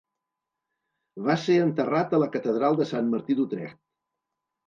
Va ser enterrat a la catedral de Sant Martí d'Utrecht.